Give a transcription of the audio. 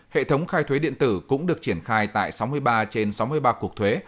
hệ thống khai thuế điện tử cũng được triển khai tại sáu mươi ba trên sáu mươi ba cuộc thuế